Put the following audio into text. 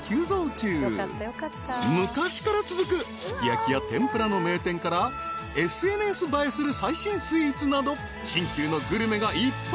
［昔から続くすき焼きや天ぷらの名店からＳＮＳ映えする最新スイーツなど新旧のグルメがいっぱい］